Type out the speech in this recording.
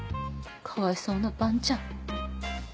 かわいそうな伴ちゃん。